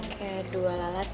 kayak dua lalat